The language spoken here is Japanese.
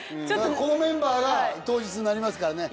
このメンバーが当日になりますからね。